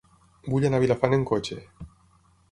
Vull anar a Vilafant amb cotxe.